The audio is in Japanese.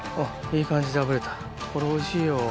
これおいしいよ。